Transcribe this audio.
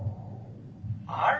「あれ？